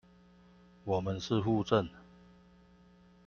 我們是戶政